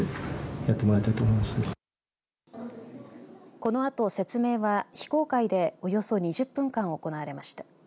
このあと説明は非公開でおよそ２０分間行われました。